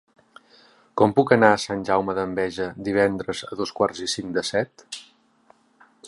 Com puc anar a Sant Jaume d'Enveja divendres a dos quarts i cinc de set?